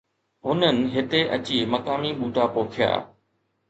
هنن هتي اچي مقامي ٻوٽا پوکيا.